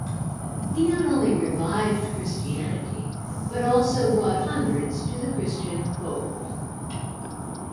He not only revived Christianity but also brought hundreds to the Christian fold.